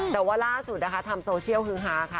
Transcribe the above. แต่ว่าล่าสุดนะคะทำโซเชียลฮือฮาค่ะ